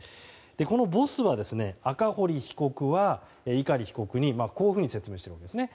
このボスは赤堀被告は碇被告にこういうふうに説明しているんですね。